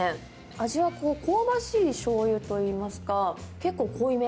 味は香ばしいしょうゆといいますか、結構濃い目。